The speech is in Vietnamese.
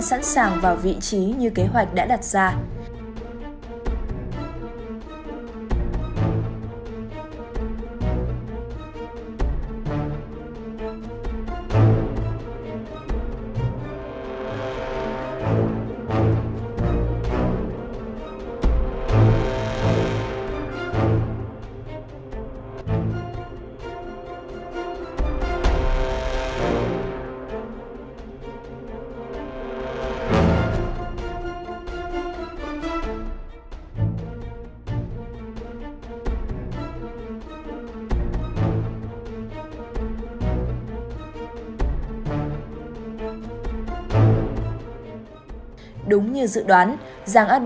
sẵn sàng vào vị trí như kế hoạch đã đặt ra